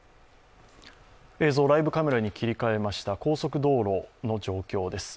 ライブカメラに切り替えました、高速道路の状況です。